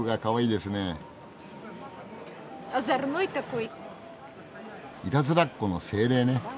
いたずらっ子の精霊ね。